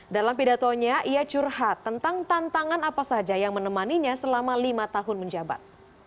dalam pidatonya ia curhat tentang tantangan apa saja yang menemaninya selama lima tahun menjabat